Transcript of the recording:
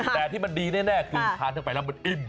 แต่ที่มันดีแน่คือทานเข้าไปแล้วมันอิ่ม